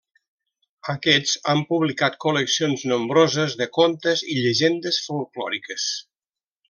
Aquests han publicat col·leccions nombroses de contes i llegendes folklòriques.